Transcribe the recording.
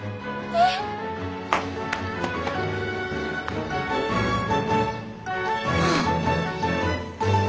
えっ。はあ。